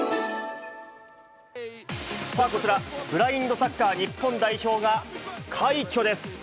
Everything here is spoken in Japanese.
さあ、こちら、ブラインドサッカー日本代表が、快挙です。